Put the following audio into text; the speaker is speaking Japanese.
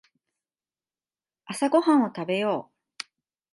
朝ごはんを食べよう。